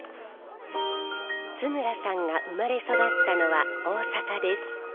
津村さんが生まれ育ったのは大阪です。